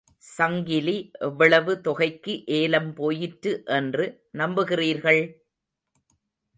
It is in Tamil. சங்கிலி எவ்வளவு தொகைக்கு ஏலம் போயிற்று என்று நம்புகிறீர்கள்?